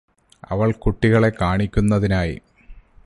അവൾ കുട്ടികളെ കാണിക്കുന്നതിനായി